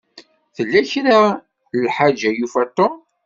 Tella kra n lḥaǧa i yufa Tom.